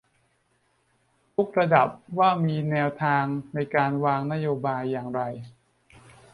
ทุกระดับว่ามีแนวทางในการวางนโยบายอย่างไร